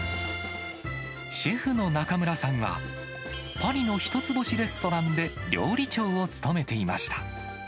シェフの中村さんは、パリの１つ星レストランで料理長を務めていました。